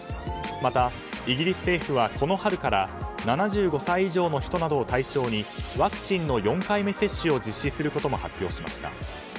また、イギリス政府はこの春から７５歳以上の人などを対象にワクチンの４回目接種を実施することも発表しました。